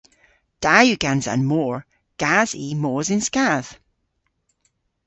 Da yw gansa an mor. Gas i mos yn skath.